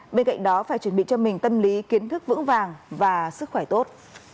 bên cạnh đó phải chuẩn bị cho mình tâm lý kiến thức vững vàng và sức khỏe tốt